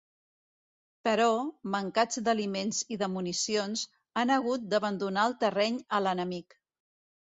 Però, mancats d'aliments i de municions, han hagut d'abandonar el terreny a l'enemic.